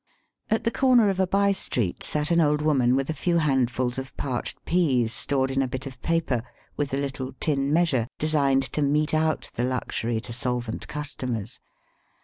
At the comer of a by street sat an old woman with a few handfuls of parched peas stored in a bit of paper with a little tin measure designed to mete out the luxury to solvent customers.